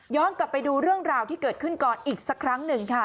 กลับไปดูเรื่องราวที่เกิดขึ้นก่อนอีกสักครั้งหนึ่งค่ะ